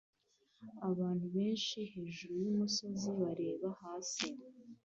Abantu benshi hejuru yumusozi bareba hasi